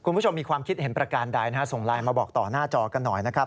คุณผู้ชมมีความคิดเห็นประการใดนะฮะส่งไลน์มาบอกต่อหน้าจอกันหน่อยนะครับ